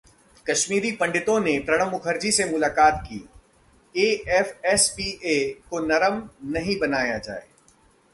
कश्मीरी पंडितों ने प्रणव मुखर्जी से मुलाकात की, एएफएसपीए को नरम नहीं बनाया जाए.